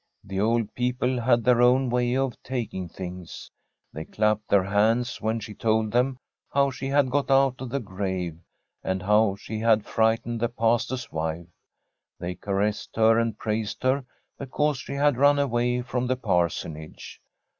The old people had their own way of taking things ; they clapped their hands when she told them how she had got out of the grave and how she had fright ened the Pastor's wife. They caressed her and f raised her because she had run away from the ^arsonage.